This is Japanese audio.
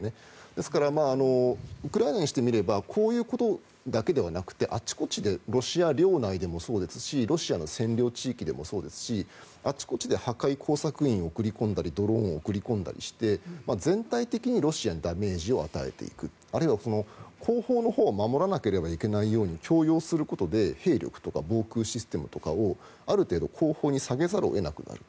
ですからウクライナにしてみればこういうことだけではなくてあっちこっちでロシア領内でもそうですしロシアの占領地域でもそうですしあちこちで破壊工作員を送り込んだりドローンを送り込んだりして全体的にロシアにダメージを与えていくあるいは後方のほうを守らなければいけないように強要することで兵力とか防空システムとかをある程度後方に下げざるを得なくなる。